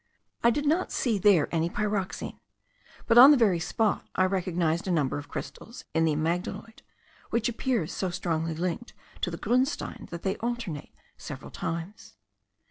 I did not see there any pyroxene; but on the very spot I recognized a number of crystals in the amygdaloid, which appears so strongly linked to the grunstein that they alternate several times.